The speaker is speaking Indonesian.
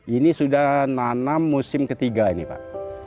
ini sudah nanam musim ketiga ini pak